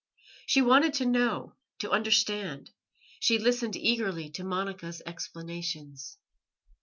She wanted to know, to understand; she listened eagerly to Monica's explanations.